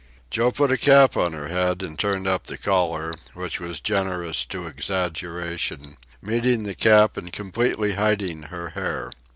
Joe put a cap on her head and turned up the collar, which was generous to exaggeration, meeting the cap and completely hiding her hair.